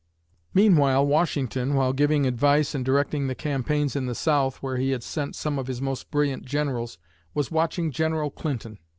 Meanwhile Washington, while giving advice and directing the campaigns in the South, where he had sent some of his most brilliant generals, was watching General Clinton.